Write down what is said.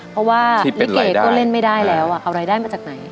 เพราะว่าลิเกก็เล่นไม่ได้แล้วเอารายได้มาจากไหน